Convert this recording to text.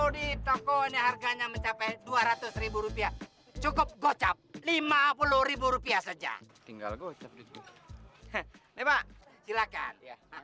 di toko ini harganya mencapai dua ratus rupiah cukup gocap rp lima puluh sejak tinggal guys silakan